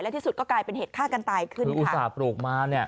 ที่สุดก็กลายเป็นเหตุฆ่ากันตายขึ้นอุตส่าห์ปลูกมาเนี่ย